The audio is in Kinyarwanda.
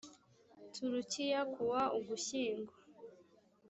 turukiya ku wa ugushyingo